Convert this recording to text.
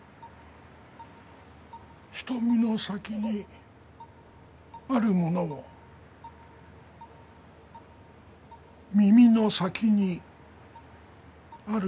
「瞳の先にあるモノを耳の先にある音を」。